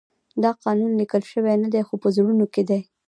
دا قانون لیکل شوی نه دی خو په زړونو کې دی.